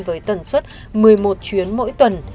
với tần suất một mươi một chuyến mỗi tuần